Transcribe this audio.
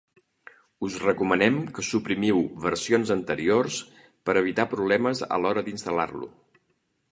Us recomanem que suprimiu versions anteriors per evitar problemes a l'hora d'instal·lar-lo.